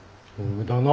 だな。